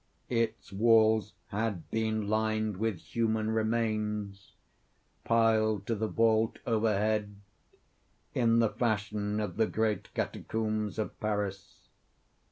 Its walls had been lined with human remains, piled to the vault overhead, in the fashion of the great catacombs of Paris.